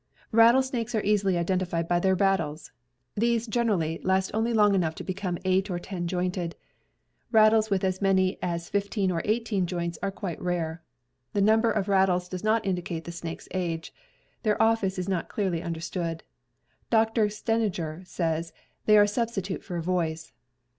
Rattlesnakes are easily identified by their rattles. These generally last only long enough to become 8 or 10 jointed. Rattles with as many as 15 or 18 joints are quite rare. The number of rattles does not indicate the snake's age. Their office is not clearly understood. Doctor Stejneger says: "They are a substitute for a voice."